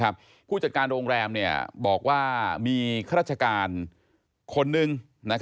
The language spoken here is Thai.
ผู้จัดการโรงแรมบอกว่ามีข้าราชการคนนึง